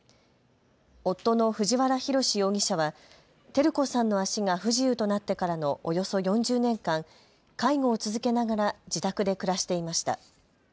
夫の藤原宏容疑者は照子さんの足が不自由となってからのおよそ４０年間、介護を続けながら自宅で暮らしていました。